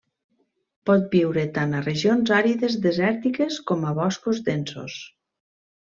Pot viure tant a regions àrides desèrtiques com a boscos densos.